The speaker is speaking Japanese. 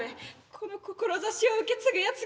この志を受け継ぐやつが。